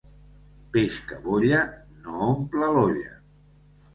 Peix que bolla, no omple l'olla.